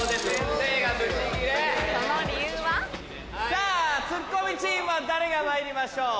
さぁツッコミチームは誰がまいりましょう？